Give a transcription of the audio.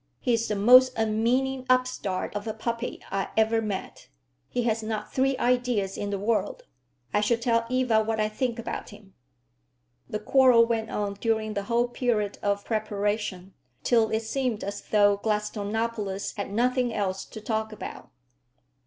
He's the most unmeaning upstart of a puppy I ever met. He has not three ideas in the world. I shall tell Eva what I think about him." The quarrel went on during the whole period of preparation, till it seemed as though Gladstonopolis had nothing else to talk about.